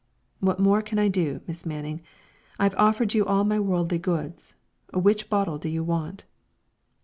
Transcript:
"What more can I do, Miss Manning? I've offered you all my worldly goods. Which bottle do you want?"